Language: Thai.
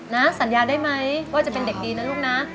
สัญญาได้ไหมว่าจะเป็นเด็กดีนะลูกนะ